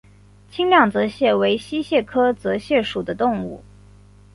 清亮泽蟹为溪蟹科泽蟹属的动物。